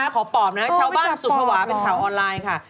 ขอปอบนะชาวบ้านสุภาวะเป็นข่าวออนไลน์ค่ะ